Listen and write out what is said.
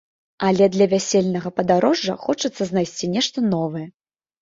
Але для вясельнага падарожжа хочацца знайсці нешта новае.